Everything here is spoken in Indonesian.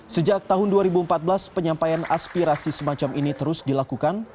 sejak tahun dua ribu empat belas penyampaian aspirasi semacam ini terus dilakukan